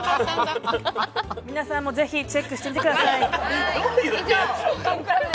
皆さんもぜひチェックしてみてください。